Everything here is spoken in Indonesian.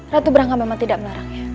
ratu brangka memang tidak melarangnya